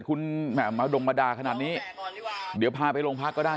คุณมาดงมาด่าขนาดนี้เดี๋ยวพาไปโรงพักก็ได้